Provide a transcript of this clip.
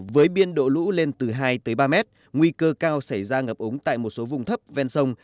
với biên độ lũ lên từ hai ba mét nguy cơ cao xảy ra ngập ống tại một số vùng thấp ven sông